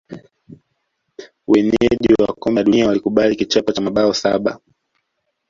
wenyeji wa kombe la dunia walikubali kichapo cha mabao saba